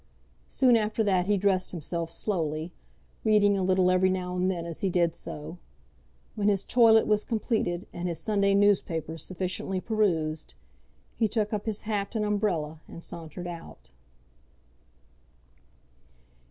Soon after that he dressed himself slowly, reading a little every now and then as he did so. When his toilet was completed, and his Sunday newspapers sufficiently perused, he took up his hat and umbrella and sauntered out.